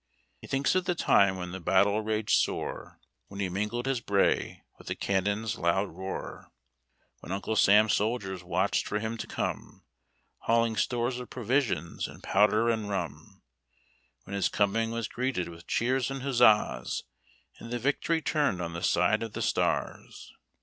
He thinks of the time when the battle raged sore, When he mingled his bray with the cannon's loud roar; When Uncle Sam's soldiers watched for him to come, Hauling stores of provisions and powder and rum; When his coming was greeted witli cheers and huzzas, And the victory turned on the side of the stars.